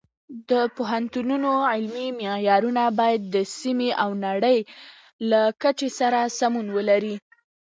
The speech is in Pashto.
د پوهنتونونو علمي معیارونه باید د سیمې او نړۍ له کچې سره سمون ولري.